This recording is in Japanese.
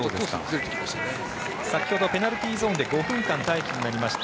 先ほどペナルティーゾーンで５分間の待機になりました